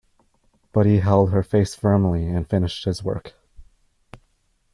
But he held her face firmly and finished his work.